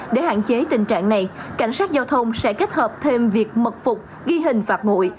để hạn chế tình trạng này cảnh sát giao thông sẽ kết hợp thêm việc mật phục ghi hình phạt nguội